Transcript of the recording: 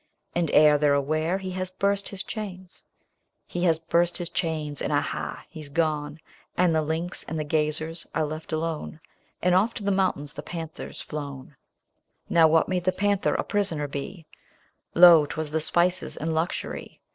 And ere they're aware, he has burst his chains : He has burst his chains, and ah, ha ! he's gone, And the links and the gazers are left alone. And off to the mountains the panther's flown. 178 MISCELLANEOUS PIECES. Now what made the panther a prisoner be ? Lo ! 'twas the spices and luxury.